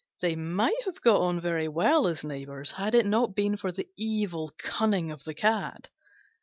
They might have got on very well as neighbours had it not been for the evil cunning of the Cat.